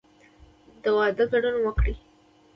د واده ګډون وکړئ